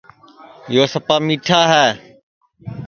یو سپا مِیٹھا ہے